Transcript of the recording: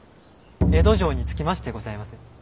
江戸城に着きましてございます。